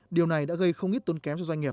điều này đã gây không ít tốn kém cho doanh nghiệp